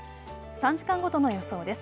３時間ごとの予想です。